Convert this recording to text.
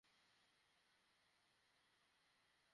একটি গাছ দেখতে অনেকটা বিলাতি গাবের মতো, কিন্তু কিছু বৈসাদৃশ্যও আছে।